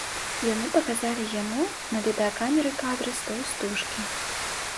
Яны паказалі яму на відэакамеры кадры з той стужкі.